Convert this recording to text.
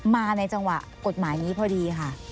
มาในจังหวะกฎหมายนี้พอดีค่ะ